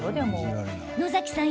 野崎さん